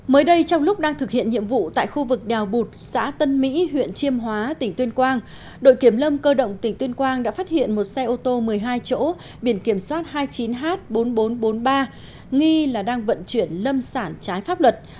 mới đây trong lúc đang thực hiện nhiệm vụ tại khu vực đèo bụt xã tân mỹ huyện chiêm hóa tỉnh tuyên quang đội kiểm lâm cơ động tỉnh tuyên quang đã phát hiện một xe ô tô một mươi hai chỗ biển kiểm soát hai mươi chín h bốn nghìn bốn trăm bốn mươi ba nghi là đang vận chuyển lâm sản trái pháp luật